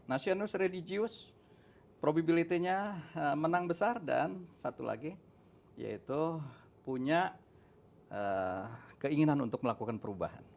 nationalist religius probability nya menang besar dan satu lagi yaitu punya keinginan untuk melakukan perubahan